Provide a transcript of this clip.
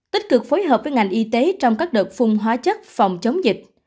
tích cực phối hợp với ngành y tế trong các đợt phun hóa chất phòng chống dịch